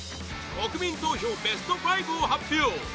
国民投票ベスト５を発表